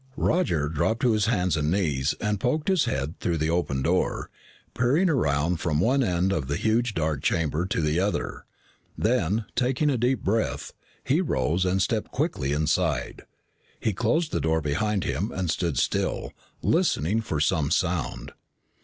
Roger dropped to his hands and knees and poked his head through the open door, peering around from one end of the huge dark chamber to the other. Then, taking a deep breath, he rose and stepped quickly inside. He closed the door behind him and stood still, listening for some sound.